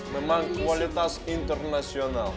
memang kualitas internasional